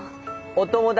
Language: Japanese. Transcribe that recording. お友達！